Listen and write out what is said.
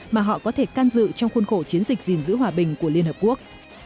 mà họ có thể can dự trong khuôn khổ chiến dịch gìn giữ hòa bình của liên hợp quốc